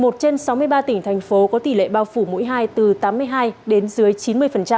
một mươi một trên sáu mươi ba tỉnh thành phố có tỷ lệ bao phủ mỗi hai từ tám mươi hai đến dưới chín mươi